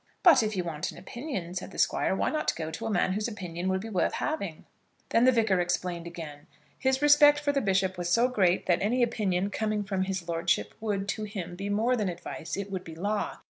"But if you want an opinion," said the Squire, "why not go to a man whose opinion will be worth having?" Then the Vicar explained again. His respect for the bishop was so great, that any opinion coming from his lordship would, to him, be more than advice; it would be law.